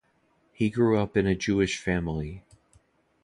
He grew up in a Jewish family.